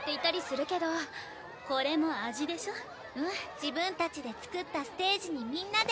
自分たちで作ったステージにみんなで。